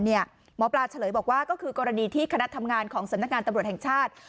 หมอปลาเฉลยบอกว่าก็คือกรณีที่คณะทำงานของสำนักงานตำรวจแห่งชาติ